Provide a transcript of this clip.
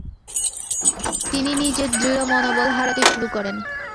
তিনি নিজের দৃঢ় মনোবল হারাতে শুরু করেন।